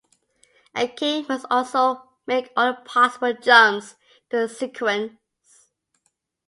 A king must also make all the possible jumps during a sequence.